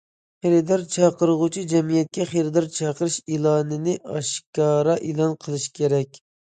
خېرىدار چاقىرغۇچى جەمئىيەتكە خېرىدار چاقىرىش ئېلانىنى ئاشكارا ئېلان قىلىشى كېرەك.